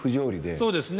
そうですね